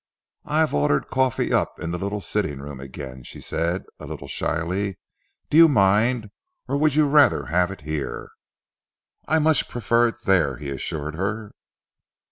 "I have ordered coffee up in the little sitting room again," she said, a little shyly. "Do you mind, or would you rather have it here?" "I much prefer it there," he assured her.